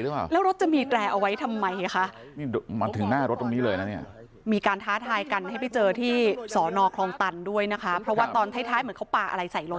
เดี๋ยวลงโซเชียลเมื่อไหร่